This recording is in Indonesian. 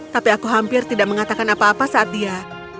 tapi aku hampir tidak mengatakan apa apa saat dia